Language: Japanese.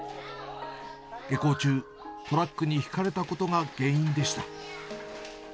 下校中、トラックにひかれたことが原因でした。